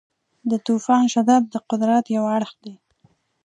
د طوفان شدت د قدرت یو اړخ دی.